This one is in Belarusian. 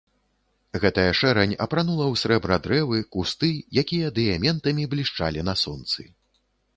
Гэтая шэрань апранула ў срэбра дрэвы, кусты, якія дыяментамі блішчалі на сонцы.